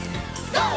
ＧＯ！